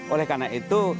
oleh karena itu